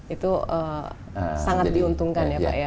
itu sangat diuntungkan ya pak ya